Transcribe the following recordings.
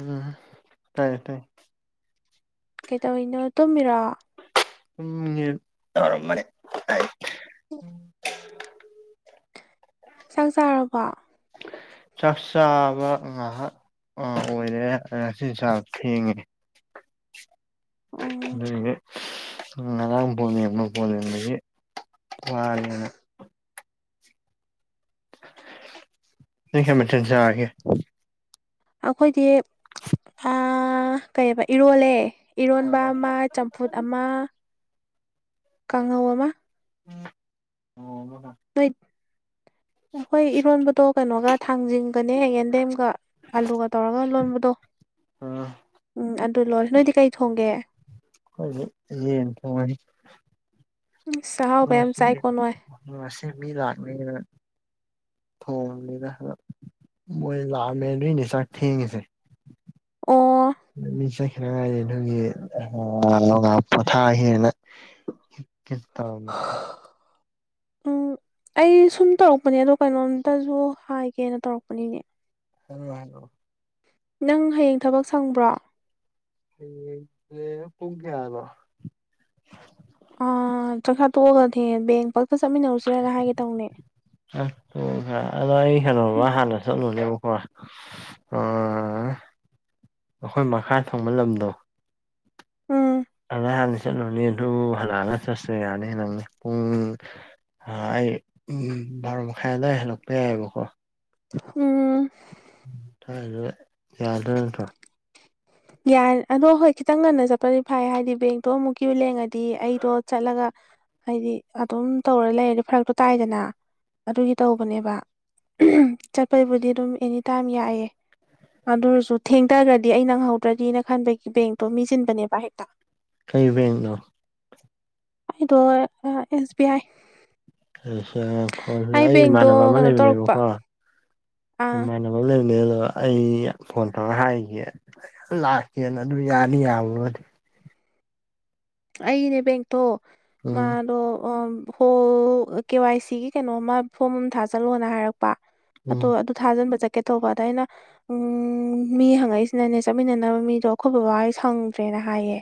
ꯎꯝ ꯇꯥꯏꯌꯦ ꯇꯥꯏꯌꯦ ꯀꯩꯇꯧꯔꯤꯅꯣ ꯇꯨꯝꯃꯤꯔꯣ ꯎꯝꯔꯝ ꯃ ꯑ ꯎ [inaudible] ꯆꯥꯛ ꯆꯥꯔꯕꯣ ꯆꯥꯛ ꯆꯥꯕ ꯉꯥꯏꯍꯥꯛ ꯑꯣꯏꯔꯦ ꯆꯤꯟ ꯆꯥꯛ ꯊꯦꯡꯉꯦ ꯎꯝ ꯅꯦ ꯎꯥꯡꯅꯤꯅꯅꯤ ꯋꯥꯔꯅ ꯀꯩ ꯃꯊꯦꯜ ꯆꯥꯔꯒꯦ ꯑꯩꯈꯣꯏꯗꯤ ꯀꯩꯕ ꯏꯔꯣꯜꯂꯦ ꯏꯔꯣꯟꯕ ꯑꯃ ꯆꯝꯐꯨꯠ ꯑꯃ ꯀꯥꯡꯍꯧ ꯑꯃ ꯎꯝ ꯑꯣ ꯅꯣꯏ ꯑꯩꯈꯣꯏ ꯏꯔꯣꯟꯕꯗꯣ ꯀꯩꯅꯣꯒ ꯊꯥꯡꯖꯤꯡꯒꯅꯦ ꯍꯌꯦ ꯌꯦꯟꯗꯦꯝꯒ ꯑꯂꯨꯒ ꯇꯧꯔꯒ ꯂꯣꯟꯕꯗꯣ ꯎꯝ ꯑꯗꯨ ꯂꯣꯏꯔꯁꯤ ꯅꯣꯏꯗꯤ ꯀꯩ ꯊꯣꯡꯒꯦ [unintelligible] ꯆꯥꯛ ꯍꯥꯎ ꯃꯁꯦ ꯃꯤ ꯂꯥꯥꯛꯃꯤ ꯊꯣꯡꯅꯤꯗ ꯃꯣꯏ ꯂꯥꯛꯑꯃꯦꯗꯣꯏꯅꯦ ꯆꯥꯛ ꯊꯦꯡꯉꯤꯁꯦ ꯑꯣ ꯃꯤ ꯆꯠꯈꯤꯅꯉꯥꯏ ꯑꯗꯨꯒꯤ ꯄꯣꯊꯥ ꯍꯦꯅ ꯀꯈꯤ ꯇꯔ ꯎꯝ ꯑꯩ ꯁꯨꯝ ꯇꯧꯔꯛꯄꯅꯦ ꯑꯗꯣ ꯀꯩꯅꯣꯝꯇꯁꯨ ꯍꯥꯏꯒꯦꯅ ꯇꯧꯔꯛꯄꯅꯤꯅꯦ ꯍꯂ ꯍꯂ [inaudible] ꯅꯪ ꯍꯌꯦꯡ ꯊꯕꯛ ꯁꯪꯕ꯭ꯔꯣ ꯍ ꯄꯨꯨꯡꯒꯌꯥꯅꯣ ꯑꯥ ꯆꯪꯈꯥ ꯇꯣꯛꯑꯒꯅꯦ ꯕꯦꯡ ꯄꯛꯇ ꯆꯠꯃꯤꯟꯅꯔꯨꯁꯤꯔꯒ ꯍꯥꯏꯒꯦ ꯇꯧꯅꯦ ꯑꯁ ꯑꯗꯣ ꯑꯩ ꯀꯩꯅꯣꯃ ꯍꯥꯟꯅ ꯆꯠꯂꯨꯅꯦꯕꯀꯣ ꯑꯩꯈꯣꯏ ꯃꯈꯥ ꯊꯣꯡꯕ ꯂꯝꯗꯣ ꯎꯝ ꯑꯗ ꯍꯥꯟꯅꯗꯤ ꯆꯠꯂꯨꯅꯦ ꯑꯗꯨ ꯍꯜꯂꯛꯑꯒ ꯆꯠꯁ ꯌꯥꯅꯤ ꯅꯪꯅꯦ ꯄꯨꯡ ꯑꯩ ꯎꯝ ꯚꯥꯔꯣ ꯃꯈꯥꯏꯋꯥ ꯍꯜꯂꯛꯄ ꯌꯥꯏꯑꯕꯀꯣ ꯎꯝ ꯎ ꯊꯥꯏꯗ ꯌꯥꯗ꯭ꯔꯥ ꯅꯠꯇ꯭ꯔꯣ ꯌꯥꯔ ꯑꯗꯣ ꯍꯣꯏ ꯈꯤꯇꯪ ꯉꯟꯅ ꯆꯠꯄꯗꯤ ꯐꯩ ꯍꯥꯏꯗꯤ ꯕꯦꯡꯇꯣ ꯑꯃꯨꯛꯀꯤꯌꯨ ꯂꯦꯡꯉꯗꯤ ꯑꯩꯗꯣ ꯆꯠꯂꯒ ꯍꯥꯏꯗꯤ ꯑꯗꯨꯝ ꯇꯧꯔ ꯂꯩꯔꯗꯤ ꯐꯔꯛꯇꯣ ꯇꯥꯏꯗꯅ ꯑꯗꯨꯒꯤ ꯇꯧꯕꯅꯦꯕ ꯆꯠꯄꯩꯕꯨꯗꯤ ꯑꯗꯨꯝ ꯑꯦꯅꯤ ꯇꯥꯏꯝ ꯌꯥꯏꯌꯦꯦ ꯑꯗꯨꯔꯁꯨ ꯊꯦꯡꯊꯈ꯭ꯔꯗꯤ ꯑꯩ ꯅꯪꯍꯧꯗ꯭ꯔꯗꯤꯅ ꯈꯟꯕꯒꯤ ꯕꯦꯡꯛꯇꯣ ꯃꯤꯁꯤꯟꯕꯅꯦꯕ ꯍꯦꯛꯇ ꯀꯩꯕꯦꯡꯅꯣ ꯑꯩꯗꯣ ꯑꯦꯁ ꯕꯤ ꯑꯥꯏ ꯑꯩ ꯕꯦꯡꯗꯣ ꯏꯃꯥꯟꯅꯕ ꯑꯃ ꯀꯩꯅꯣ ꯇꯧꯔꯛꯄ ꯂꯩꯕꯅꯦꯕꯀꯣ ꯑꯥ ꯩꯅ ꯂꯩꯕꯅꯦ ꯑꯗꯣ ꯑꯩ ꯐꯣꯟ ꯇꯧꯔ ꯍꯥꯏꯒꯦ ꯌꯥꯝ ꯂꯥꯛꯀꯦꯅ ꯑꯗꯨꯝ ꯌꯥꯅꯤ ꯌꯥꯃꯨꯔꯗꯤ ꯑꯩꯅꯦ ꯕꯦꯡꯛꯇꯣ ꯎꯝ ꯃꯥꯗꯣ ꯍꯣꯜ ꯀꯦ ꯋꯥꯏ ꯁꯤꯒꯤ ꯀꯩꯅꯣ ꯑꯃ ꯐꯣꯝ ꯑꯃ ꯊꯥꯖꯜꯂꯣꯅ ꯍꯥꯏꯔꯛꯄ ꯎꯝ ꯑꯗꯣ ꯊꯥꯖꯤꯟꯕ ꯆꯠꯀꯦ ꯇꯧꯕ ꯑꯗꯨꯗꯃꯥꯏꯩꯅ ꯎꯝ ꯃꯤ ꯍꯪꯉꯛꯏꯁꯤꯅꯅꯦ ꯆꯠꯃꯤꯟꯅꯅꯕ ꯃꯤꯗꯣ ꯑꯩꯈꯣꯏꯕ ꯋꯥ ꯁꯪꯗ꯭ꯔꯦꯅ ꯍꯥꯏꯌꯦ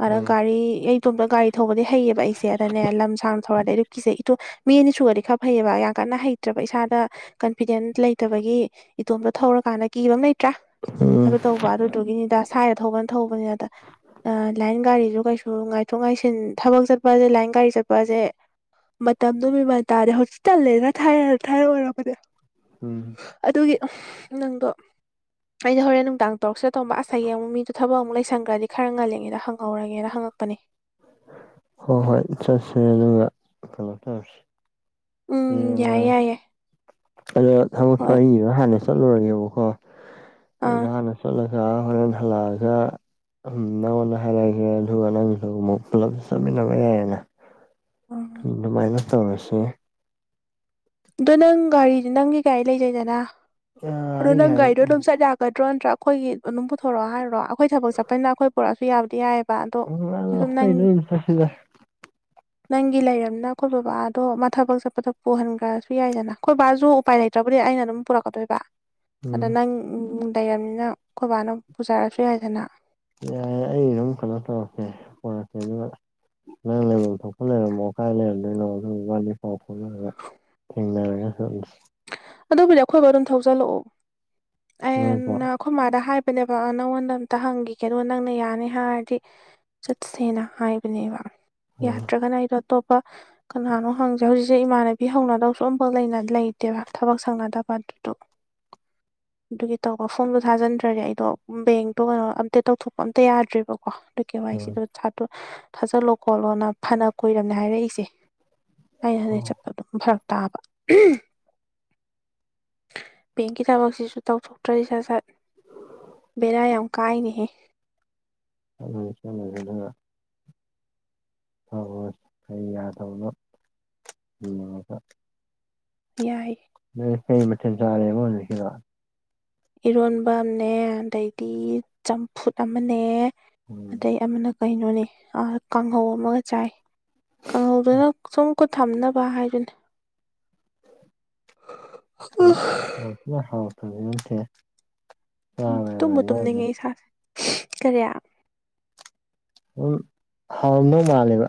ꯑꯗ ꯎꯝ ꯒꯥꯔꯤ ꯑꯩ ꯏꯇꯣꯝꯇ ꯒꯥꯔꯤ ꯊꯧꯕꯗꯤ ꯍꯩꯌꯦꯕ ꯑꯩꯁꯦ ꯑꯗꯅꯦ ꯂꯝ ꯁꯥꯡ ꯊꯧꯔꯗꯤ ꯑꯩ ꯑꯗꯨ ꯀꯤꯁꯦ ꯏꯇ ꯃꯤ ꯑꯅꯤ ꯁꯨꯔꯗꯤ ꯈꯔ ꯐꯩꯑꯕ ꯌꯥꯝ ꯀꯟꯅ ꯍꯩꯇ꯭ꯔꯕ ꯏꯁꯥꯗ ꯀꯟꯐꯤꯗꯦꯟ ꯂꯩꯇꯕꯒꯤ ꯏꯇꯣꯝꯇꯣ ꯊꯧꯔꯀꯥꯟꯗ ꯀꯤꯕ ꯂꯩꯇ꯭ꯔꯥ ꯎꯝ ꯑꯗꯨ ꯇꯧ [unintelligible] ꯑꯣ ꯉꯥꯏꯊꯣꯛ ꯉꯥꯏꯁꯤꯟ ꯊꯕꯛ ꯆꯠꯄꯁꯦ ꯂꯥꯏꯟ ꯒꯥꯔꯤ ꯆꯠꯄꯁꯦ ꯃꯇꯝꯗꯨ ꯃꯃꯟ ꯇꯥꯔꯦ ꯍꯣꯁꯄꯤꯇꯥꯜꯂꯦꯅ ꯊꯥꯏꯔꯛꯑꯣ ꯑꯣꯏꯔꯕꯅꯦ ꯎꯝ ꯑꯗꯨꯒꯤ ꯅꯪꯗꯣ ꯑꯩꯗꯤ ꯍꯣꯔꯦꯟ ꯅꯨꯡꯗꯥꯡ ꯇꯔꯨꯛꯗ ꯇꯝꯕ ꯑꯁꯥꯏ ꯌꯦ ꯑꯃꯨꯛ ꯃꯤꯗꯨꯣ ꯊꯕꯛ ꯑꯃꯨꯛ ꯂꯩꯁꯟꯈ꯭ꯔꯗꯤ ꯈꯔ ꯉꯜꯂꯤꯉꯩꯗ ꯍꯪꯍꯧꯔꯒꯦꯅ ꯍꯪꯉꯛꯄꯅꯦ ꯍꯣꯏ ꯍꯣꯏ ꯆꯠꯁꯦ ꯑꯗꯨꯒ ꯀꯩꯅꯣ ꯇꯧꯔꯁꯤ ꯎꯝ ꯌꯥꯏꯌꯦ ꯌꯥꯏꯌꯦ ꯑꯗꯣ ꯊꯃꯛ ꯍꯣꯏ ꯐꯕ ꯍꯥꯟꯅꯁꯨ ꯆꯠꯂꯨꯔꯒꯦꯕꯀꯣ ꯑꯥ ꯑꯩꯗ ꯍꯥꯟꯅ ꯆꯠꯂꯒ [inaudible] [unintelligible] ꯎ ꯑꯗꯨ ꯃꯥꯏꯅꯁ ꯇꯧꯔꯁꯤꯦ ꯑꯗꯣ ꯅꯪ ꯒꯥꯔꯤꯗꯤ ꯅꯪꯒꯤ ꯒꯥꯔꯤ ꯂꯩꯖꯩꯗꯅ ꯑꯗꯣ ꯑꯩꯒꯤ ꯅꯪ ꯍꯥꯏ ꯒꯥꯔꯤꯗꯣ ꯑꯗꯨꯝ ꯆꯠ ꯀꯗ꯭ꯔꯣ ꯅꯠꯇ꯭ꯔꯥ ꯑꯩꯈꯣꯏꯒꯤ ꯑꯗꯨꯝ ꯄꯨꯊꯣꯔꯛꯑꯣ ꯍꯥꯏꯔꯣ ꯑꯩꯈꯣꯏ ꯊꯕꯛ ꯆꯠꯄꯅꯤꯅ ꯑꯩꯈꯣꯏ ꯄꯨꯔꯛꯑꯁꯨ ꯌꯥꯕꯗꯤ ꯌꯥꯏ ꯎ ꯍꯣꯏꯅ ꯐꯁꯤꯗ [unintelligible] ꯅꯪꯒꯤ ꯂꯩꯔꯕꯝꯅ ꯑꯩꯈꯣꯏ ꯕꯕꯥꯗꯣ ꯃꯥ ꯊꯕꯛ ꯆꯠꯄꯗ ꯄꯨꯍꯟꯈ꯭ꯔꯁꯨ ꯌꯥꯏꯗꯅ ꯑꯩꯈꯣꯏ ꯕꯥꯁꯨ ꯎꯄꯥꯏ ꯂꯩꯇ꯭ꯔꯕꯗꯤ ꯑꯩꯅ ꯑꯗꯨꯝ ꯄꯨꯔꯛꯀꯗꯣꯏꯕ ꯑꯗ ꯎꯝ ꯅꯪ ꯂꯩꯔꯕꯝꯅꯤꯅ ꯑꯩꯈꯣꯏꯕꯥꯅ ꯄꯨꯖꯔꯛꯁꯨ ꯌꯥꯏꯗꯅ ꯌꯥꯏꯦ ꯑꯩ ꯑꯗꯨꯝ ꯀꯩꯅꯣ ꯇꯧꯔꯛꯀꯦ ꯄꯔꯛꯀꯦ ꯑꯗꯨꯒ ꯅꯪ ꯂꯩꯐꯝ ꯊꯣꯛꯄ ꯂꯩꯔꯝꯃꯣ ꯀꯥꯏ ꯂꯩꯔꯝꯅꯤꯣꯏꯅꯣꯝ ꯄꯥꯎ ꯐꯥꯎꯅꯔꯒ ꯊꯦꯡꯅꯔꯒ ꯆ ꯑꯗꯨꯕꯨꯗꯤ ꯑꯩꯈꯣꯏꯕꯨ ꯑꯗꯨꯝ ꯊꯧꯖꯜꯂꯛꯑꯣ ꯅꯣꯏ ꯄꯥꯎ ꯑ ꯈꯨꯃꯥꯗ ꯍꯥꯏꯕꯅꯦꯕ ꯅꯪꯉꯣꯟꯗ ꯑ ꯑꯃꯝꯇ ꯍꯪꯈꯤ ꯀꯩꯅꯣ ꯅꯪꯅ ꯌꯥꯅꯤ ꯍꯥꯏꯔꯗꯤ ꯆꯠ ꯁꯦꯅꯥ ꯍꯥꯏꯕꯅꯦꯕ ꯑꯥ ꯌꯥꯔꯗ꯭ꯔꯒꯅ ꯍꯥꯏꯔ ꯑꯇꯣꯞꯄ ꯀꯅꯥꯅꯣ ꯍꯪꯁꯦ ꯍꯧꯖꯤꯛꯁꯦ ꯏꯃꯥꯟꯅꯕꯤ ꯍꯧꯅꯗꯧꯁꯨ ꯑꯃꯝꯐꯛ ꯂꯩꯅ ꯂꯩ ꯠꯇꯦꯕ ꯊꯕꯛ ꯁꯪꯅꯗꯕ ꯑꯗꯨꯗꯣ ꯑꯗꯨꯒꯤ ꯇꯧꯀꯣ ꯐꯣꯟꯗꯣ ꯊꯥꯖꯤꯟꯗ꯭ꯔꯒꯦ ꯑꯩꯗꯣ ꯕꯦꯡꯇꯣ ꯀꯩꯅꯣ ꯑꯝꯇꯦ ꯇꯧꯊꯣꯛꯄ ꯑꯝꯇ ꯌꯥꯗ꯭ꯔꯦꯕꯀꯣ ꯀ ꯑꯗꯨ ꯀꯩ ꯋꯥꯏꯁꯤꯗ ꯁꯥꯠꯇꯨ ꯊꯥꯖꯜꯂꯣ ꯈꯣꯠꯂꯣꯅ ꯐꯅ ꯀꯣꯏꯏꯔꯕꯝꯅꯦ ꯍꯥꯏꯔꯛꯏꯁꯦ ꯍ ꯍ ꯑꯥ ꯆꯠꯄ ꯑꯗꯨꯝ ꯐꯔꯛ ꯇꯥꯕ ꯕꯦꯡꯀꯤ ꯊꯕꯛꯁꯤꯁꯨ ꯇꯧꯊꯣꯛꯇ꯭ꯔꯔꯤ ꯁꯥꯠ ꯁꯠ ꯕꯦꯔꯥ ꯌꯥꯝ ꯀꯥꯏꯅꯤꯍꯦ ꯑꯗꯨ ꯆ ꯍꯣꯏ ꯍꯣꯏ ꯑꯩ ꯌꯥꯗꯕꯅꯣ ꯎꯒ ꯌꯥꯏ ꯀꯩ ꯃꯦꯟ ꯆꯥꯔꯦ ꯏꯔꯣꯟꯕ ꯑꯃꯅꯦ ꯑꯗꯩꯗꯤ ꯆꯝꯐꯨꯠ ꯑꯃꯅꯦ ꯎꯝ ꯑꯗꯩ ꯑꯃꯅ ꯀꯩꯅꯣꯅꯦ ꯀꯥꯡꯍꯧ ꯑꯃꯒ ꯆꯥꯏ ꯀꯥꯡꯍꯧꯗꯨꯅ ꯁꯨꯝꯀꯠ ꯊꯝꯅꯕ ꯍꯥꯏꯗꯨꯅꯤ ꯎꯝ [inaudible] ꯎꯝ ꯇꯨꯝꯃ ꯑꯣꯏꯖꯥꯠꯅꯤ ꯇꯨꯝꯅꯤꯡꯉꯦ ꯏꯁꯥꯁꯦ ꯀꯔꯤ ꯝ ꯍꯥꯎꯔꯝꯗꯧ ꯃꯥꯜꯂꯦꯕ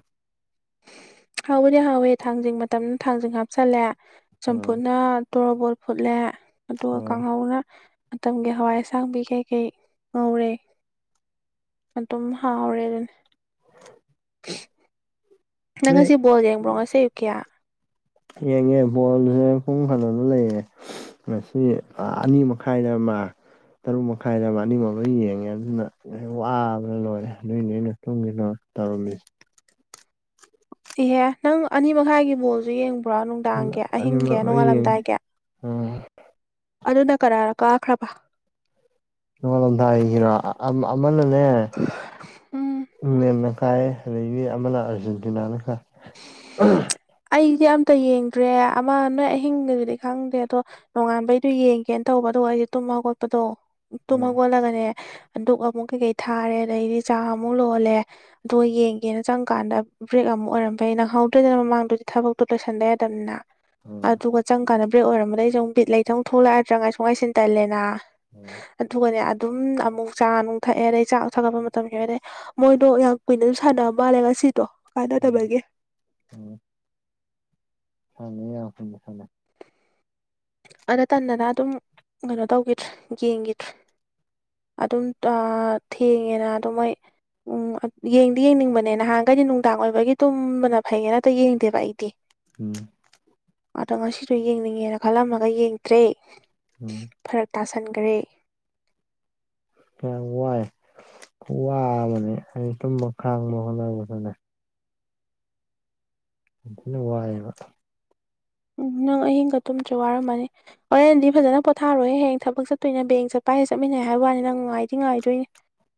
ꯍꯥꯎꯕꯨꯗꯤ ꯍꯥꯎꯋꯦ ꯊꯥꯡꯖꯤꯡ ꯃꯇꯝꯗ ꯊꯥꯡꯖꯤꯡ ꯍꯥꯞꯆꯤꯜꯂꯦ ꯎꯝ ꯁꯝꯄꯨꯅ ꯇꯣꯔ ꯕꯣꯜ ꯐꯨꯠꯂꯦ ꯑꯗꯨꯒ ꯎꯝ ꯀꯥꯡꯍꯧꯅ ꯃꯇꯝꯒꯤ ꯍꯋꯥꯏ ꯑꯁꯥꯡꯕꯤ ꯀꯩꯀꯩ ꯉꯧꯔꯦ ꯃꯇꯨꯝ ꯍꯥꯎꯔꯦ ꯑꯗꯨꯅ ꯅꯪ ꯅꯣꯏ ꯉꯁꯤ ꯕꯣꯜ ꯌꯦꯡꯕ꯭ꯔꯣ ꯉ ꯁꯦ ꯌꯨꯀꯤꯌꯥ ꯌꯦꯡꯉꯦ ꯕꯜꯁꯦ ꯄꯨꯡ ꯐꯅꯅ ꯂꯩꯌꯦꯦ ꯃꯁꯤ ꯑꯅꯤ ꯃꯈꯥꯏꯅ ꯑꯃ ꯇꯔꯨꯛ ꯃꯈꯥꯏꯗ ꯑꯃ ꯑꯅꯤꯃꯛ ꯌꯦꯡꯉꯦ ꯑꯗꯨꯅ ꯋꯥꯕꯅ ꯂꯣꯏꯔꯦ ꯑꯗꯨꯏꯅꯦ ꯑꯩꯅ ꯇꯨꯝꯒꯦ ꯇꯧ ꯇꯧꯔꯝꯃꯤꯁꯦ ꯏꯍꯦ ꯅꯪ ꯑꯅꯤ ꯃꯈꯥꯏꯒꯤ ꯕꯣꯜꯁꯨ ꯌꯦꯡꯕ ꯄꯨꯔꯥ ꯅꯨꯡꯗꯥꯡꯒꯤ ꯑꯍꯤꯡꯒꯤ ꯑꯅꯤꯃꯛ ꯂꯣꯏ ꯌꯦꯡꯉꯦ ꯅꯣꯡꯉꯥꯜꯂꯝꯗꯥꯏꯒꯤ ꯎꯝ ꯑꯗꯨꯅ ꯀꯅꯥꯅ ꯀꯥꯈ꯭ꯔꯕ ꯅꯣꯡꯉꯥꯜꯂꯣꯝꯗ ꯍꯈꯤꯕꯔꯣ ꯑꯃꯅꯅꯦ ꯎꯝ ꯃꯦꯝꯃꯀꯥꯏ ꯑꯗꯩꯒꯤ ꯑꯃꯅ ꯑꯥꯔꯖꯦꯟꯇꯤꯅꯥꯅ ꯀꯥꯏ ꯑꯩꯗꯤ ꯑꯝꯇ ꯌꯦꯡꯗ꯭ꯔꯦ ꯑꯃ ꯅꯣꯏ ꯑꯍꯤꯡꯒꯗꯨꯗꯤ ꯈꯪꯗꯦ ꯑꯗꯣ ꯅꯣꯡꯉꯥꯟꯕꯩꯗꯨ ꯌꯦꯡꯒꯦꯅ ꯇꯧꯕ ꯑꯗꯨꯒ ꯑꯩꯁꯦ ꯇꯨꯝ ꯍꯧꯒꯣꯠꯄꯗꯣ ꯇꯨꯝ ꯎꯝ ꯍꯧꯒꯠꯂꯒꯅꯦ ꯑꯗꯨꯛ ꯑꯃꯨꯛ ꯀꯩꯀꯩ ꯊꯥꯔꯦ ꯑꯗꯩꯗꯤ ꯆꯥ ꯑꯃꯨꯛ ꯂꯣꯜꯂꯦ ꯑꯗꯣ ꯌꯦꯡꯒꯦꯅ ꯆꯪꯀꯥꯟꯗ ꯕ꯭ꯔꯦꯛ ꯑꯃꯨꯛ ꯑꯣꯏꯔꯝ ꯐꯩ ꯅꯪꯍꯧꯗ꯭ꯔꯦꯗꯅ ꯃꯃꯥꯡꯗ ꯊꯕꯛꯇꯣ ꯂꯣꯏꯁꯟꯗ ꯌꯥꯗꯅꯤꯅ ꯎꯝ ꯑꯗꯨꯒ ꯆꯪ ꯀꯥꯟ ꯕꯦꯛ ꯑꯣꯏꯔꯝꯗꯩꯗ ꯁ ꯕꯤꯠ ꯂꯩꯇꯪ ꯊꯣꯛꯂꯛꯑꯗ꯭ꯔꯥ ꯉꯥꯏꯁꯨ ꯉꯥꯏꯁꯤꯟ ꯇꯜꯂꯦꯅ ꯎꯝ ꯑꯗꯨꯒꯅꯦ ꯑꯗꯨꯝ ꯑꯃꯨꯛ ꯆꯥ ꯅꯨꯡ ꯊꯛꯑꯦ ꯑꯗꯩ ꯆꯥꯛ ꯑꯃꯨꯛ ꯊꯥꯒꯠꯄ ꯃꯇꯝꯒꯤ ꯑꯣꯏꯔꯦ ꯃꯣꯏꯗꯣ ꯌꯥꯝ ꯀꯨꯏꯅ ꯑꯗꯨꯝ ꯁꯥꯟꯅꯕ ꯃꯥꯜꯂꯦ ꯉꯁꯤꯗꯣ ꯎꯝ ꯀꯥꯟꯅꯗꯕꯒꯤ ꯎꯝ [inaudible] ꯑꯗ ꯇꯟꯗꯅ ꯑꯗꯨꯝ ꯀꯩꯅꯣ ꯇꯧꯈꯤꯗ꯭ꯔꯦ ꯌꯦꯡꯒꯤꯗ꯭ꯔꯦ ꯑꯗꯨꯝ ꯊꯦꯡꯉꯦꯅ ꯑꯗꯨ ꯃꯣꯏ ꯎꯝ ꯌꯦꯡꯗꯤ ꯌꯦꯡꯅꯤꯡꯕꯅꯦ ꯅꯍꯥꯟꯈꯩꯗꯤ ꯅꯨꯡꯗꯥꯡ ꯑꯣꯏꯕꯒꯤ ꯇꯨꯝꯕꯅ ꯐꯩꯌꯦꯅ ꯇ ꯌꯦꯡꯗꯦꯕ ꯑꯩꯗꯤ ꯎꯝ ꯑꯗ‌ꯣ ꯑꯁꯤꯁꯨ ꯌꯦꯡꯅꯤꯡꯉꯦꯅ ꯈꯜꯂꯝꯃꯒ ꯌꯦꯡꯗ꯭ꯔꯦ ꯎꯝ ꯐꯔꯛ ꯇꯥꯁꯟꯒ꯭ꯔꯦ ꯌꯥꯝ ꯋꯥꯏ ꯋꯥꯕꯅꯦ ꯑꯩ ꯇꯨꯝꯕ ꯈꯥꯡꯕ ꯍꯣꯠꯅꯕꯗꯅꯦ ꯑꯗꯨꯅ ꯋꯥꯦꯕ ꯎ ꯅꯪ ꯑꯍꯤꯡꯒ ꯇꯨꯝꯁꯨ ꯋꯥꯔꯝꯃꯅꯤ ꯍꯣꯔꯦꯟꯗꯤ ꯐꯖꯅ ꯄꯣꯊꯥꯔꯣꯏꯍꯦ ꯍꯡ ꯊꯕꯛ ꯆꯠꯇꯣꯏꯅꯦ ꯕꯦꯡ ꯆꯠꯄ ꯍꯥꯏꯁꯌꯦ ꯆꯠꯃꯤꯟꯅꯩ ꯍꯥꯏꯕ ꯋꯥꯅꯤ ꯅꯪ ꯅꯨꯡꯥꯏꯗꯤ ꯉꯥꯏꯗꯣꯏꯅꯦ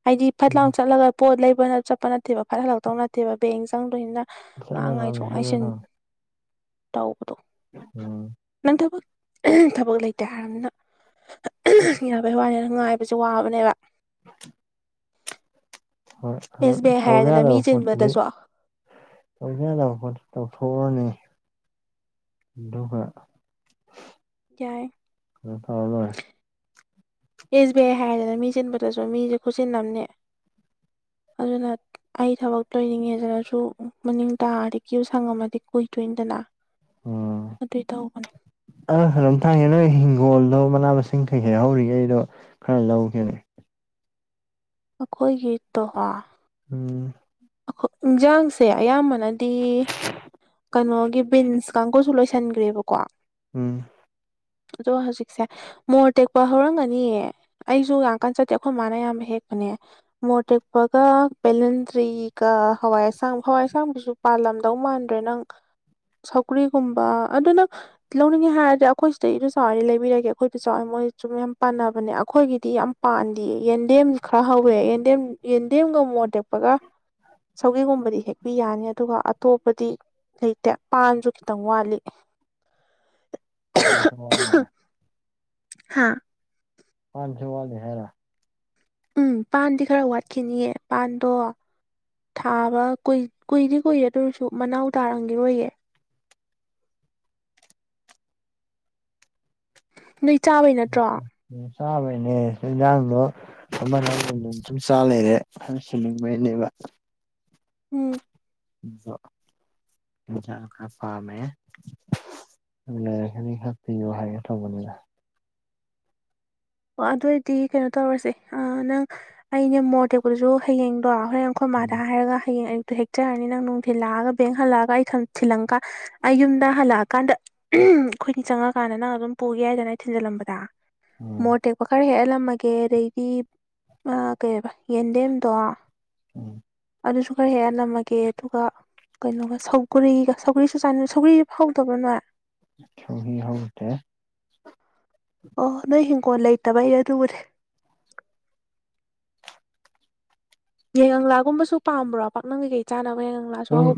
ꯍꯥꯏꯗꯤ ꯐꯠ ꯂꯥꯎ ꯎꯝ ꯆꯠꯂꯒ ꯄꯣꯠ ꯂꯩꯕꯅ ꯆꯠꯄ ꯅꯠꯇꯦꯕ ꯐꯠ ꯍꯜꯂꯛꯇꯧ ꯅꯠꯇꯦꯕ ꯕꯦꯡ ꯆꯪꯗꯣꯏꯅꯤꯅ ꯆꯠꯂ ꯉꯍꯥꯡ ꯊꯝꯃꯦ ꯉꯥꯏꯊꯣꯛ ꯆꯠꯂ ꯉꯥꯏꯁꯤꯟ ꯊꯝꯃꯦ ꯇꯧꯕꯗꯣ ꯎꯝ ꯅꯪ ꯊꯕꯛ ꯊꯕꯛ ꯂꯩꯇꯦ ꯍꯥꯏꯔꯝꯅꯤꯅ ꯌꯥꯕꯩ ꯋꯥꯅꯤꯉꯥꯏꯕ ꯑꯩꯁꯨ ꯋꯥꯕꯅꯦꯕ [inaudible] ꯍꯣꯏ ꯑꯦꯁ ꯕꯤ ꯑꯥꯏ ꯇꯧꯗ ꯍꯥꯏꯔꯗꯅ ꯃꯤ ꯌꯥꯗꯕ ꯄ‌ꯣꯠꯇꯨꯗꯤ ꯆꯤꯟꯕꯗꯁꯨ ꯇꯧꯖ ꯌꯥꯗꯕ ꯈꯣꯠꯇ ꯇꯧꯊꯣꯛꯎꯔꯅꯤ ꯑꯗꯨꯒꯍ ꯌꯥꯏ ꯎꯝ ꯐꯥꯎ ꯂꯔꯦ ꯑꯦꯁ ꯕꯤ ꯑꯥꯏ ꯍꯥꯏꯔꯗꯅ ꯃꯤ ꯆꯤꯟꯕꯗꯁꯨ ꯃꯤꯁꯨ ꯈꯨꯠꯆꯤꯟꯑꯃꯅꯤ ꯑꯗꯨꯅ ꯑꯩ ꯊꯕꯛ ꯂꯣꯏꯅꯤꯡꯉꯦꯗꯅꯁꯨ ꯃꯅꯤꯡ ꯇꯥꯔꯗꯤ ꯀ꯭ꯌꯨ ꯁꯥꯡ ꯑꯝꯃꯗꯤ ꯀꯨꯏꯗꯣꯏꯅꯤꯗꯅ ꯎꯝ ꯑꯩ ꯇꯧꯕꯒꯅꯤ ꯑ ꯀꯩꯅ‌ꯣꯝꯇ ꯍꯪꯒ‌ꯦ ꯅꯣꯏ ꯍꯤꯡꯒꯣꯜꯗꯣ ꯃꯅꯥ ꯃꯁꯤꯡ ꯀꯔꯤ-ꯀꯔꯤ ꯍꯧꯔꯤꯒꯦ ꯑꯩꯗꯣ ꯈꯔ ꯂꯧꯒꯦꯅ‌ꯦ ꯑꯩꯈꯣꯏꯒꯤ ꯇꯣꯍꯥ ꯎꯝ ꯑꯩꯈꯣꯏ ꯏꯟꯁꯥꯡꯁꯦ ꯑꯌꯥꯝꯕꯅꯗꯤ ꯀꯩꯅꯣꯒꯤ ꯕꯤꯟꯁ ꯀꯥꯡꯕꯨꯨꯁꯨ ꯂꯣꯏꯁꯟꯈ꯭ꯔꯦꯕꯀꯣ ꯎꯝ ꯑꯗ‌ꯣ ꯍꯧꯖꯤꯛꯁꯦ ꯃꯣꯔ ꯇꯦꯛꯄ ꯍꯧꯔꯝꯒꯅꯤꯌꯦ ꯑꯩꯁꯨ ꯌꯥꯝ ꯀꯟ ꯆꯠꯇꯦ ꯑꯩꯈꯣꯏ ꯃꯥꯅ ꯑꯌꯥꯝꯕ ꯍꯦꯛꯄꯅꯦ ꯃꯣꯇꯦꯛ ꯄꯒ ꯕ‌ꯦꯂꯟꯗ꯭ꯔꯤ ꯍꯋꯥꯏ ꯑꯁꯥꯡ ꯍꯋꯥꯏ ꯑꯁꯥꯡꯗꯨꯁꯨ ꯄꯥꯜꯂꯝꯗꯧ ꯃꯥꯟꯗ꯭ꯔꯦ ꯅꯪ ꯁꯧꯒ꯭ꯔꯤꯒꯨꯝꯕ ꯑꯗꯨꯅ ꯂꯧꯅꯤꯡꯉꯦ ꯍꯥꯏꯔꯗꯤ ꯑꯩꯈꯣꯏ ꯁꯤꯗꯁꯨ ꯆꯥꯎꯔꯦ ꯂꯩꯕꯤꯔꯒꯦ ꯑꯩꯈꯣꯏꯗ ꯆꯥꯎꯋꯦ ꯃꯣꯏ ꯁꯨꯝ ꯌꯥꯝ ꯄꯥꯟꯅꯕꯅꯦ ꯑꯩꯈꯣꯏꯒꯤꯗꯤ ꯌꯥꯝ ꯄꯥꯟꯗꯤꯌꯦ ꯌꯦꯟꯗꯦꯝ ꯈꯔ ꯍꯧꯋꯦ ꯌꯦꯟꯗꯦꯝ ꯌꯦꯟꯗꯦꯝꯒ ꯃꯣꯔ‌ꯣꯛ ꯑꯇꯦꯛꯄꯒ ꯁꯧꯒꯤꯒꯨꯝꯕꯗꯤ ꯍꯦꯛꯄꯤ ꯌꯥꯅꯤ ꯑꯗꯨꯒ ꯑꯇꯣꯞꯄꯗꯤ ꯂꯩꯇꯦ ꯄꯥꯟꯁꯨ ꯈꯤꯇꯪ ꯋꯥꯠꯂꯤ [unintelligible] ꯈꯤꯏꯡ ꯍꯥꯠꯂꯤ ꯍꯥ ꯄꯥꯟꯁꯨ ꯍꯥꯠꯂꯤ ꯍꯥꯏꯔ ꯎꯝ ꯄꯥꯟꯗꯤ ꯈꯔ ꯋꯥꯠꯈꯤꯅꯤꯌꯦ ꯄꯥꯟꯗꯣ ꯊꯥꯕ ꯀꯨꯏ ꯀꯨꯏꯗꯤ ꯀꯨꯏꯦ ꯑꯗꯨ ꯑꯣꯏꯔꯁꯨ ꯃꯅꯥꯎ ꯇꯥꯔꯝꯒꯤꯔꯣꯏꯌꯦ ꯅꯣꯏ ꯆꯥꯕꯩ ꯅꯠꯇ꯭ꯔꯣ ꯆꯕꯩꯅꯦ ꯏꯟꯖꯥꯡꯗ‌ꯣ ꯑꯃꯜ ꯁꯨꯝ ꯆꯥ ꯂꯩꯔꯦ ꯁꯅꯤꯡꯕꯩꯅꯦꯕ ꯎꯝ ꯀꯥꯝꯃꯦ ꯂꯩꯔꯒꯗꯤꯈ ꯄꯤꯌꯣ ꯍꯥꯏꯒꯦ ꯇꯧꯕꯅꯤꯗ ꯑꯣ ꯑꯗꯨꯑꯣꯏꯗꯤ ꯀꯩꯅꯣ ꯇꯧꯔꯁꯦ ꯅꯪ ꯑꯩꯅꯦ ꯃꯣꯔ ꯇꯦꯛꯄꯗꯁꯨ ꯍꯌꯦꯡꯗꯣ ꯍꯣꯔꯦꯟꯈꯣꯏ ꯃꯥꯗ ꯎꯝ ꯍꯥꯏꯔꯒ ꯍꯌꯦꯡ ꯑꯌꯨꯛꯇꯨ ꯍꯦꯛꯆꯔꯅꯤ ꯅꯪ ꯅꯨꯡꯊꯤꯜꯂꯛꯑꯒ ꯕꯦꯡ ꯍꯜꯂꯛꯑꯒ ꯑꯩ ꯊꯤꯜꯂꯝꯀꯥꯟ ꯑꯩ ꯌꯨꯝꯗ ꯍꯜꯂꯛꯑꯀꯥꯟꯗ ꯑꯩꯈꯣꯏꯅꯤ ꯆꯪꯉꯀꯥꯟꯗ ꯅꯪ ꯑꯗꯨꯝ ꯄꯨꯒꯦ ꯍꯥꯏꯗꯅ ꯑꯩ ꯊꯤꯟꯖꯜꯂꯝꯕꯗ ꯃꯣꯔꯠ ꯇꯦꯛꯄ ꯈꯔ ꯍꯦꯛꯍꯜꯂꯝꯃꯒꯦ ꯑꯗꯩꯗꯤ ꯀꯩ ꯌꯦꯟꯗꯦꯝꯗꯣ ꯎꯝ ꯑꯗꯨꯁꯨ ꯈꯔ ꯍꯦꯛꯑꯒ ꯅꯝꯃꯒꯦ ꯑꯗꯨꯒ ꯀꯩꯅꯣꯒ ꯁꯧꯒꯔꯤꯒ ꯁꯧꯒ꯭ꯔꯤꯁꯨ ꯆꯥ ꯁꯧꯒ꯭ꯔꯤꯁ ꯐꯧꯗꯕꯅꯣ ꯁꯣꯏꯒꯔꯤ ꯍꯗꯦ ꯑꯣ ꯅꯣꯏ ꯍꯤꯡꯒꯣꯜ ꯂꯩꯇꯕꯩꯅ‌ꯦ ꯑꯗꯨꯕꯨꯗꯤ ꯌꯥꯏꯉꯪꯂꯥꯒꯨꯝꯕꯁꯨ ꯄꯥꯝꯕ꯭ꯔꯣ ꯄꯥꯛꯅꯝ‌ ꯀꯩꯀꯥ ꯆꯥꯅꯕ ꯌꯥꯏꯉꯪ ꯑꯗꯨꯝ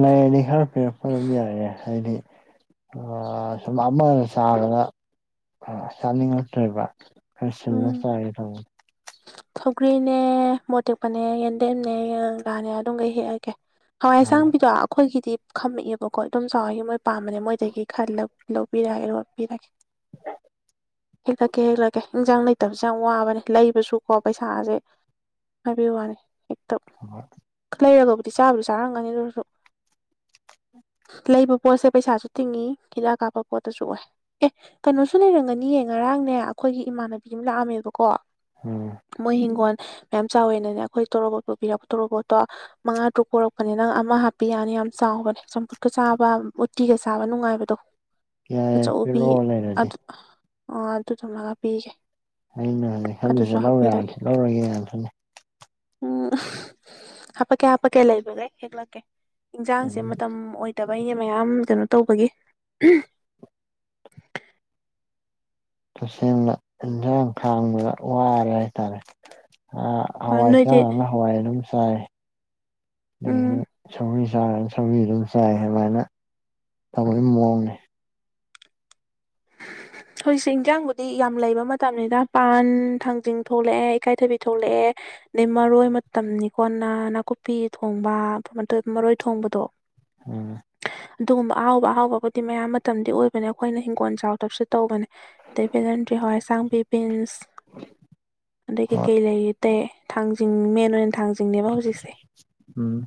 ꯂꯩꯔꯗꯤ ꯈꯔ ꯄꯤꯔꯛꯄ ꯑꯗꯨꯝ ꯌꯥꯏꯑꯦ ꯍꯥꯏꯗꯤ ꯑꯣ ꯁꯨꯝ ꯑꯃꯗ ꯆꯥꯕꯗ ꯆꯥꯅꯤꯡꯉꯛꯇꯣꯏꯕ ꯈꯥꯔ ꯁꯥꯏꯂ ꯎꯝ ꯆꯥꯒꯦ ꯇꯥꯏꯔꯦ [inaudible] ꯁꯧꯒ꯭ꯔꯤꯅꯦ ꯃꯣꯇꯦꯛꯄꯅꯦ ꯌꯦꯟꯗꯦꯝꯅꯦ ꯑꯦꯂꯪꯒꯥꯅꯦ ꯑꯗꯨꯝꯒꯩ ꯍꯦꯛꯑꯒꯦ ꯍꯋꯥꯏ ꯑꯁꯥꯡꯕꯤꯗꯣ ꯑꯩꯈꯣꯏꯒꯤꯗꯤ ꯈꯝꯃꯛꯑꯦꯕꯀꯣ ꯏꯗ‌ꯣꯝꯆꯥ ꯍ‌ꯣꯏꯒꯤ ꯃꯣꯏ ꯄꯥꯝꯕꯅꯦ ꯃꯣꯏꯗꯒꯤ ꯈꯂꯧ ꯂꯣꯏꯕꯤꯔꯒꯦ ꯑꯗꯨꯒ ꯄꯤꯔꯒꯦ [inaudible] ꯍꯥꯛꯂꯛꯀꯦ ꯍꯥꯛꯂꯛꯀꯦ ꯏꯟꯖꯥꯡ ꯂꯩꯇꯕꯁꯦ ꯌꯥꯝ ꯋꯥꯕꯅꯦ ꯂꯩꯕꯁꯨꯀꯣ ꯄꯩꯁꯥꯁꯦ ꯍꯥꯏꯕ ꯋꯥꯅꯤ ꯍꯦꯛꯇ ꯍꯣꯏ ꯂꯩꯔꯒꯕꯨꯗꯤ ꯆꯥꯕꯁꯨ ꯆꯥꯔꯝꯒꯅꯤ ꯑꯗꯨꯔꯁꯨ ꯂꯩꯕ ꯄꯣꯠꯁꯦ ꯄꯩꯁꯥꯁꯨ ꯇꯤꯡꯏꯤ ꯍꯤꯗꯥꯛ ꯀꯥꯞꯄ ꯄꯣꯠꯇꯁꯨ ꯑꯣꯏ ꯑꯦ ꯀꯩꯅꯣꯁꯨ ꯂꯩꯔꯝꯒꯅꯤꯌꯦ ꯉꯔꯥꯡꯅꯦ ꯑꯩꯈꯣꯏꯒꯤ ꯏꯃꯥꯟꯅꯕꯤ ꯑꯃ ꯂꯥꯛꯑꯝꯃꯦꯕꯀꯣ ꯎꯝ ꯃꯣꯏ ꯍꯤꯡꯒꯣꯜ ꯃꯌꯥꯝ ꯆꯥꯎꯋꯦꯅꯅꯦ ꯑꯩꯈꯣꯏ ꯇꯣꯔꯣꯕꯣꯠ ꯄꯨꯕꯤꯔꯛꯄ ꯇꯣꯔꯣꯕꯣꯠꯇꯣ ꯃꯉꯥ ꯇꯔꯨꯛ ꯄ‍ꯣꯔꯛꯄꯅꯦ ꯅꯪ ꯑꯃ ꯍꯥꯞꯄꯤ ꯌꯥꯅꯤ ꯌꯥꯝ ꯆꯥꯎꯕꯅꯦ ꯆꯝꯐꯨꯠꯀ ꯆꯥꯕ ꯎꯇꯤꯒ ꯆꯥꯕ ꯅꯨꯡꯉꯥꯏꯕꯗꯣ ꯌꯥꯏ ꯌꯥꯏ ꯑꯆꯧꯕꯕꯤ ꯄꯤꯔꯛꯑꯣ ꯑꯣ ꯂꯩꯔꯗꯤ ꯑꯗꯨ ꯇꯝꯂꯒ ꯄꯤꯒꯦ ꯑꯩꯅ ꯍꯧꯖꯤꯛ ꯈꯜꯂꯤꯖ ꯑꯗꯨꯁꯨ ꯂꯧ ꯍꯥꯞꯄꯤꯔꯒꯦ ꯌꯥꯔꯗꯤ ꯂꯧꯔꯒꯦꯅ‌ꯦ ꯑꯗ‌ꯨꯗꯤ ꯎꯝ ꯍꯥꯄꯀꯤ ꯍꯥꯄꯀꯤ ꯂꯏꯕꯒꯦ ꯍꯥꯛꯂꯛꯀꯦ ꯏꯟꯖꯥꯡꯁꯦ ꯎꯝ ꯃꯇꯝ ꯑꯣꯏꯇꯕ ꯑꯅꯦ ꯃꯌꯥꯝ ꯀꯩꯅꯣ ꯇꯧꯕꯒꯤ ꯑꯁꯦꯡꯅ ꯏꯟꯁꯥꯡ ꯈꯥꯡꯕꯗ ꯋꯥꯔꯦ ꯍꯥꯏꯇꯥꯔꯦ ꯑ ꯍꯣꯏ ꯍꯋꯥꯏ ꯅꯣꯏꯗꯤ ꯆꯥꯔꯅ ꯍꯋꯥꯏ ꯑꯗꯨꯝ ꯆꯥꯏ ꯑ ꯎꯝ ꯁꯥꯏꯒꯔꯤ ꯆꯥ ꯁꯧꯒ꯭ꯔꯤ ꯑꯗꯨꯝ ꯆꯥꯏ ꯑꯗꯨꯃꯥꯏꯅ ꯇꯧꯕꯒꯤ ꯃꯑꯣꯡꯅꯤ ꯍꯧꯖꯤꯛꯁꯦ ꯏꯟꯖꯥꯡꯕꯨꯗꯤ ꯌꯥꯝ ꯂꯩꯕ ꯃꯇꯝꯅꯤꯅ ꯄꯥꯟ ꯊꯥꯡꯖꯤꯡ ꯊꯣꯛꯂꯛꯑꯦ ꯏꯀꯥꯏꯊꯕꯤ ꯊꯣꯛꯂꯛꯑꯦ ꯑꯗꯩ ꯃꯔꯣꯏ ꯃꯇꯝꯅꯤꯀ‌ꯣ ꯅꯥꯟ ꯅꯥꯀꯨꯞꯄꯤ ꯊꯣꯡꯕ ꯃꯔꯣꯏ ꯊꯣꯡꯕꯗꯣ ꯎꯝ ꯑꯗꯨꯒꯨꯝꯕ ꯑꯍꯥꯎꯕ ꯑꯍꯥꯎꯕꯕꯨꯗꯤ ꯃꯌꯥꯝ ꯃꯇꯝꯗꯤ ꯑꯣꯏꯕꯅꯦ ꯑꯩꯈꯣꯏꯅ ꯍꯤꯡꯒꯣꯜ ꯆꯥꯎꯗꯕꯁꯨ ꯇꯧꯕꯅꯦ ꯑꯗꯩ ꯕꯦꯂꯟꯗ꯭ꯔꯤ ꯍꯣꯏ ꯑꯁꯥꯡꯕꯤꯕꯤꯟꯁ ꯑꯗꯒꯤ ꯍꯣꯏ ꯀꯩ ꯂꯩꯇꯦ ꯊꯥꯡꯖꯤꯡ ꯃꯦꯟ ꯑꯣꯏꯅ ꯊꯥꯡꯖꯤꯡ ꯍꯧꯖꯤꯛꯁꯦ ꯎꯝ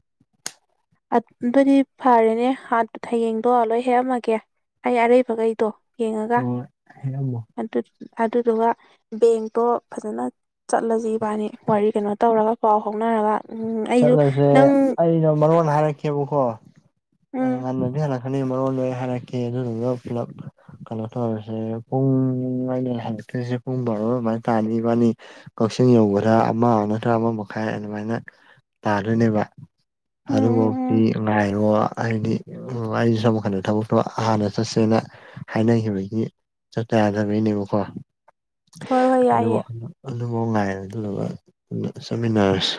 ꯑꯗꯨꯗꯤ ꯐꯔꯦꯅꯦ ꯍꯥꯠ ꯊꯌꯦꯡꯗꯣ ꯂꯣꯏ ꯍꯦꯛꯑꯝꯃꯒꯦ ꯑꯩ ꯑꯔꯩꯕꯈꯩꯗꯣ ꯌꯦꯡꯉꯒ ꯍꯃꯣ ꯑꯗꯨꯗꯨꯒ ꯕꯦꯡꯛꯇꯣ ꯐꯖꯅ ꯆꯠꯂꯁꯤ ꯏꯕꯥꯅꯤ ꯋꯥꯔꯤ ꯀꯩꯅꯣ ꯇꯧꯔꯒ ꯄꯥꯎ ꯐꯥꯎꯅꯔꯒ ꯎꯝ ꯑꯩꯁꯨ ꯆꯠꯂꯁꯦ ꯅꯪ ꯑꯩꯗ‌ꯣ ꯃꯔꯣꯟ ꯍꯥꯏꯔꯛꯀꯦ ꯈꯪꯑꯦꯕꯀ‌ꯣ ꯎꯝ ꯉꯟꯅꯗꯤ ꯍꯜꯂꯛꯀꯅꯤ ꯃꯔꯣꯟꯗꯣ ꯑꯩ ꯍꯥꯏꯔꯛꯀꯦ ꯑꯗꯨꯗꯨꯒ ꯄꯨꯂꯞ ꯀꯩꯅꯣ ꯇꯧꯔꯁꯦ ꯄꯨꯡ ꯑꯩꯅ ꯍꯔꯛꯇꯣꯏꯁꯦ ꯄꯨꯡ ꯕꯥꯔꯣ ꯑꯗꯨꯃꯥꯏꯅ ꯇꯥꯅꯤ ꯋꯥꯅꯤ ꯀꯛꯆꯤꯡ ꯌꯧꯕꯗꯥ ꯑꯃ ꯅꯠꯇ꯭ꯔ ꯑꯃ ꯃꯈꯥꯏ ꯑꯗꯨꯃꯥꯏꯅ ꯇꯥꯗꯣꯏꯅꯦꯕ ꯎꯝ ꯎꯝ ꯑꯗꯨꯐꯥꯎꯤ ꯎꯝ ꯉꯥꯏꯔꯣ ꯍꯥꯏꯗꯤ ꯑꯩ ꯁꯝꯀꯟꯗ ꯊꯕꯛꯇꯣ ꯍꯥꯟꯅ ꯆꯠꯁꯦꯅ ꯍꯥꯏꯅꯈꯤꯕꯒꯤ ꯆꯠ ꯆ ꯌꯥꯗꯕꯩꯅꯦꯕꯀꯣ ꯍꯣꯏ ꯍꯣꯏ ꯌꯥꯏꯌꯦ ꯑꯗꯨꯕꯨ ꯑꯗꯨꯐꯥꯎ ꯉꯥꯏꯔꯗꯨꯂꯒ ꯆꯠꯃꯤꯟꯅꯔꯁꯤ